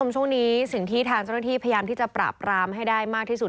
ช่วงนี้สิ่งที่ทางเจ้าหน้าที่พยายามที่จะปราบรามให้ได้มากที่สุด